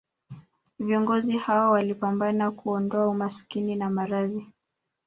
Viongozi hao walipambana kuondoa umaskini na maradhi